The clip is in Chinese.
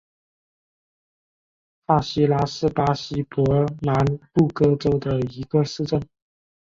帕西拉是巴西伯南布哥州的一个市镇。